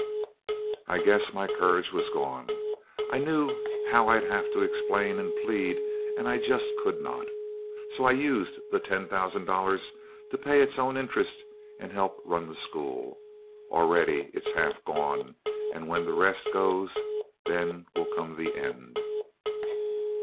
I guess my courage was gone. I knew how I'd have to explain and plead, and I just could not. So I used the ten thousand dollars to pay its own interest and help run the school. Already it's half gone, and when the rest goes then will come the end."